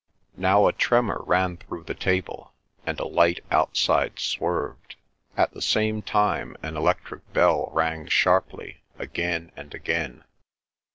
Now a tremor ran through the table, and a light outside swerved. At the same time an electric bell rang sharply again and again.